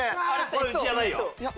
これうちじゃないよ。